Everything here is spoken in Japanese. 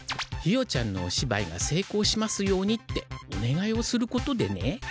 ひよちゃんのおしばいがせいこうしますようにっておねがいをすることでね。